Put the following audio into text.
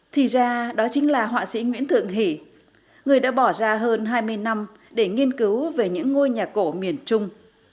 thì ra đó chính là họa sĩ nguyễn thượng hỷ người đã bỏ ra hơn hai mươi năm để nghiên cứu về những ngôi nhà cổ miền trung